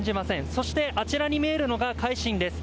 そしてあちらに見えるのが「海進」です。